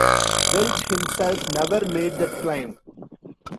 Welch himself never made that claim.